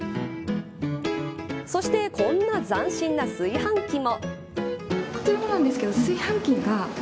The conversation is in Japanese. そして、こんな斬新な炊飯器も。